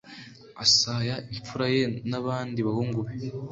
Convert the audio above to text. asaya imfura ye n abandi bahungu be